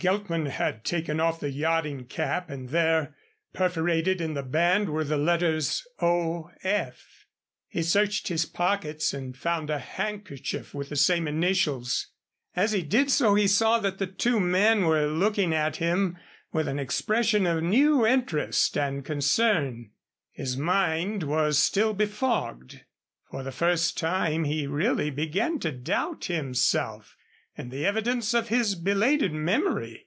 Geltman had taken off the yachting cap and there, perforated in the band, were the letters O. F. He searched his pockets and found a handkerchief with the same initials. As he did so he saw that the two men were looking at him with a expression of new interest and concern. His mind was still befogged. For the first time he really began to doubt himself, and the evidence of his belated memory.